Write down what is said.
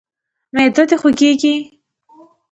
معده د خوږیږي؟